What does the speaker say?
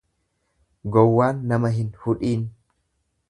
Gowwaan nama hin hudhiin.